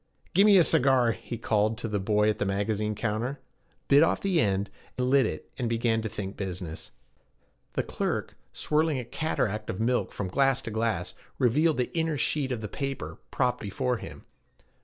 'Gimme a cigar,' he called to the boy at the magazine counter; bit off the end, lit it, and began to think business. The clerk, swirling a cataract of milk from glass to glass, revealed the inner sheet of the paper propped before him.